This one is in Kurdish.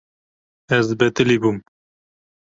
Ez betilî bûm.